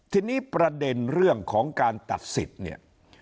ทีนี้ประเด็นเรื่องของการตัดสิทธิ์เนี่ย